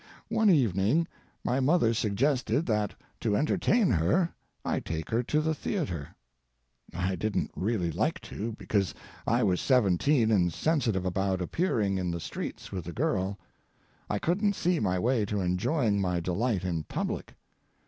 One evening my mother suggested that, to entertain her, I take her to the theatre. I didn't really like to, because I was seventeen and sensitive about appearing in the streets with a girl. I couldn't see my way to enjoying my delight in public.